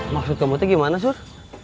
maksud kamu tuh gimana sur